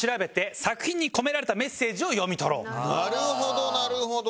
なるほどなるほど！